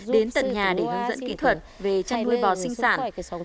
đến tận nhà để hướng dẫn kỹ thuật về chăn nuôi bò sinh sản